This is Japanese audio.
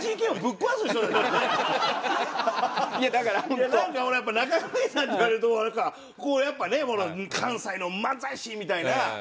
いやなんかほらやっぱ中川家さんって言われるとなんかこうやっぱね関西の漫才師みたいな。